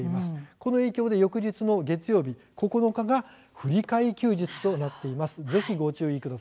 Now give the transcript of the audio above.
この影響で翌日の月曜日９日は振り替え休日となっています。